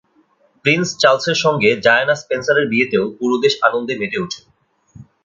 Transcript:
Prince চার্লসের সঙ্গে Diana স্পেনসারের বিয়েতেও পুরো দেশ আনন্দে মেতে ওঠে।